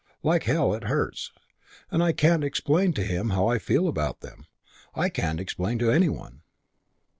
Like hell it hurts.... And I can't explain to him how I feel about them.... I can't explain to any one."